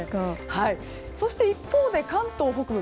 そして一方で、関東北部。